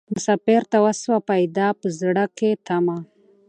مسافر ته سوه پیدا په زړه کي تمه